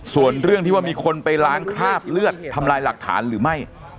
ส่วนเรื่องที่ว่ามีคนไปล้างคราบเลือดทำลายหลักฐานหรือไม่